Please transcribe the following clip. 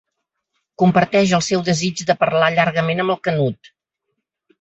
Comparteix el seu desig de parlar llargament amb el Canut.